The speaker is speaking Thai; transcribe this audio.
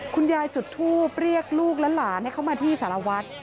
คุณยายจุดทูปเรียกลูกแล้วหลานให้เข้ามาที่สาราวุธ